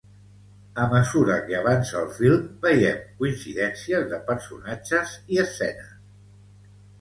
A mesura que avança el film, veiem coincidències de personatges i escenes.